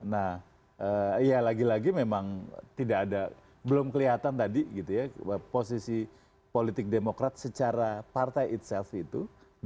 nah ya lagi lagi memang tidak ada belum kelihatan tadi gitu ya posisi politik demokrat secara partai eat self itu